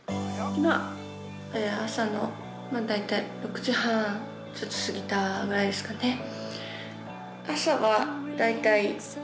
今、朝の大体６時半ちょっと過ぎたぐらいですかね。